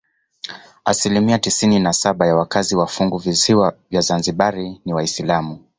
Asilimia tisini na saba ya wakazi wa funguvisiwa vya Zanzibar ni Waislamu.